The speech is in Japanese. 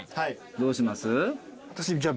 どうします？